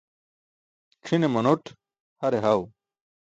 C̣ʰine manoṭ, hare haw.